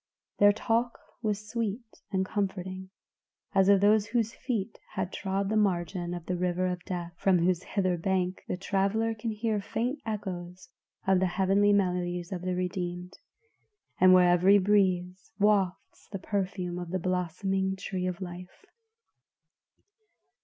Their talk was sweet and comforting, as of those whose feet had trod the margin of the river of death, from whose hither bank the traveler can hear faint echoes of the heavenly melodies of the redeemed, and where every breeze wafts the perfume of the blossoming tree of life.